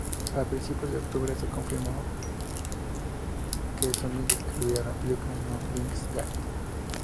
A principios de octubre, se confirmó que Summit distribuirá la película, no Lionsgate.